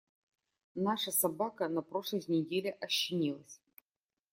Наша собака на прошлой неделе ощенилась.